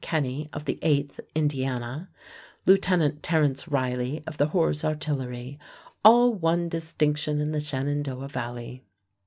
Kenny of the 8th Indiana; Lieutenant Terrence Reilly of the Horse Artillery, all won distinction in the Shenandoah Valley.